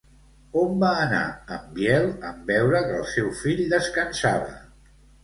On va anar en Biel en veure que el seu fill descansava?